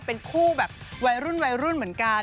เป็นคู่แบบวัยรุ่นเหมือนกัน